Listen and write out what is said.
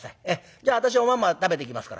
じゃあ私はおまんま食べてきますから」。